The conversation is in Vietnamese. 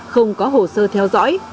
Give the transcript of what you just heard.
không có hồ sơ theo dõi